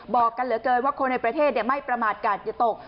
บอกกันเหลือเกินว่าคนในประเทศไม่ประมาทกาศอย่าตก